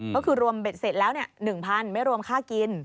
ก็คือรวมเบ็ดเสร็จแล้ว๑๐๐ไม่รวมค่ากิน